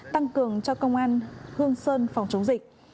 tăng cường cho công an hương sơn phòng chống dịch